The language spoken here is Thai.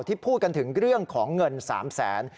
ที่พูดกันถึงเรื่องของเงิน๓๐๐๐๐๐บาท